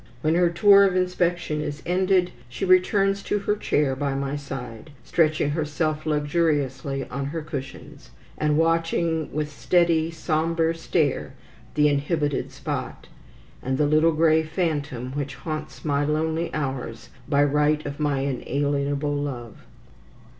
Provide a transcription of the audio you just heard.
When her tour of inspection is ended, she returns to her chair by my side, stretching herself luxuriously on her cushions, and watching with steady, sombre stare the inhibited spot, and the little grey phantom which haunts my lonely hours by right of my inalienable love.